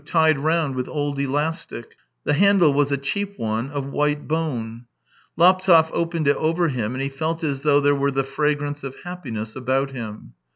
tied round with old elastic. The handle was a cheap one, of white bone. Laptev opened it over him. and he felt as though there were the fragrance of happiness about him.